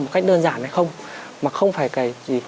một cách đơn giản hay không mà không phải cái gì